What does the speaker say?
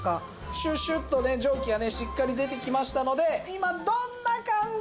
シューシューッとね蒸気がねしっかり出てきましたので今どんな感じ？